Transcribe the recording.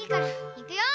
いくよ！